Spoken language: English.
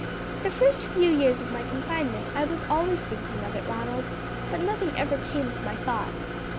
"The first few years of my confinement I was always thinking of it, Ronald, but nothing ever came of my thought.